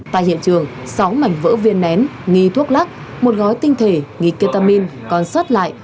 tại hiện trường sáu mảnh vỡ viên nén nghì thuốc lắc một gói tinh thể nghì ketamine còn xoát lại